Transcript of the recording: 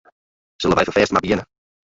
Sille wy ferfêst mar begjinne?